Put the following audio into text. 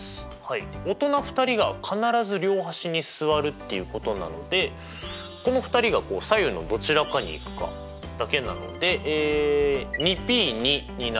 大人２人が必ず両端に座るっていうことなのでこの２人がこう左右のどちらかに行くかだけなのではい。